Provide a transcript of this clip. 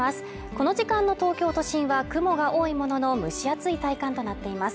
この時間の東京都心は雲が多いものの蒸し暑い体感となっています